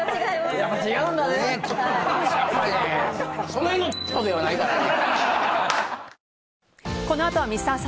そないのぽではないからね。